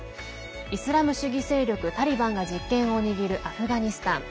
イスラム主義勢力タリバンが実権を握るアフガニスタン。